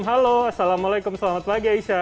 halo assalamualaikum selamat pagi aisyah